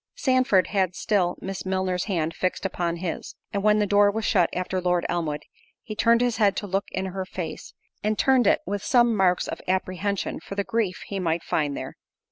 Sandford had still Miss Milner's hand fixed upon his; and when the door was shut after Lord Elmwood, he turned his head to look in her face, and turned it with some marks of apprehension for the grief he might find there.